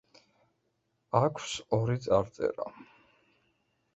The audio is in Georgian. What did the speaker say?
აქვს ორი წარწერა.